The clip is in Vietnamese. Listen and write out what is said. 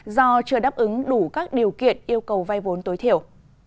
do chưa đáp ứng đủ các điều kiện yêu cầu vay vốn tối thiểu